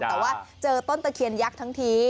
แต่ว่าเจอต้นตะเคียนยักษ์ทั้งที